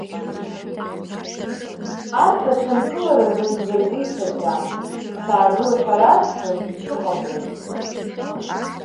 Арҭ аҽынкылара зынӡа ргәы иҭаӡам, шәаагыл ҳәа разҳәо мчы ҟамлеит.